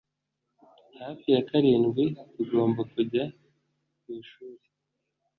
Hafi ya karindwi Tugomba kujya ku ishuri